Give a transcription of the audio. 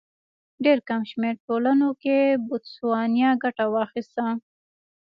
ډېر کم شمېر ټولنو لکه بوتسوانیا ګټه واخیسته.